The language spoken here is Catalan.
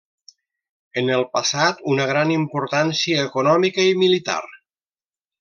En el passat una gran importància econòmica i militar.